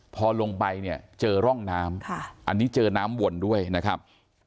พอลงไปเนี่ยเจอร่องน้ำอันนี้เจอน้ำวนด้วยนะครับ